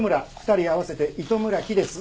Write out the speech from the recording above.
２人合わせて糸村木です。